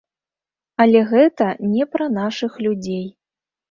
Але гэта не пра нашых людзей.